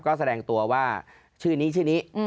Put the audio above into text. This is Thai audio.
ก็แสดงตัวว่าชื่อนี้ชื่อนี้